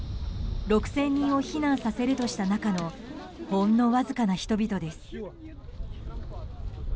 ６０００人を避難させるとした中のほんのわずかな人々です。